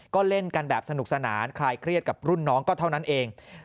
ก็เล่นกันแบบสนุกสนานคลายเครียดกับรุ่นน้องก็เท่านั้นเอง